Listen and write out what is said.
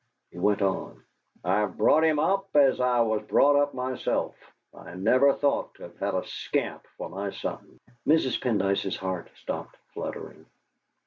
He went on: "I've brought him up as I was brought up myself. I never thought to have had a scamp for my son!" Mrs. Pendyce's heart stopped fluttering.